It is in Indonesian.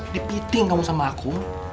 di piting kamu sama aku